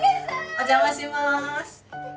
お邪魔します。